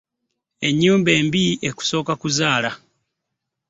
Enyumba mbi ekusoka kuzaala .